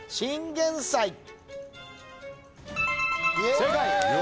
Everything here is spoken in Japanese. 正解。